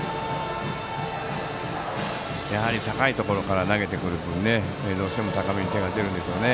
やはり高いところから投げてくる分どうしても高めに手が出るんでしょうね。